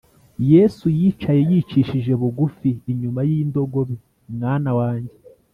yesu yicaye yicishije bugufi inyuma y'indogobe, mwana wanjye!